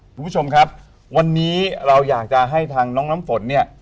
คุณผู้ชมครับวันนี้เราอยากจะให้ทางน้องน้ำฝนเนี่ย